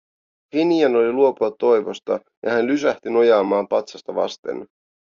Finian oli luopua toivosta ja hän lysähti nojaamaan patsasta vasten.